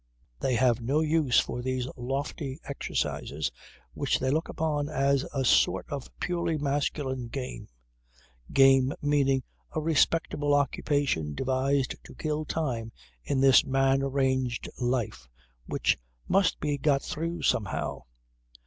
They have no use for these lofty exercises which they look upon as a sort of purely masculine game game meaning a respectable occupation devised to kill time in this man arranged life which must be got through somehow.